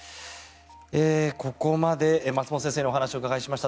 ここまで、松本先生にお話を伺いました。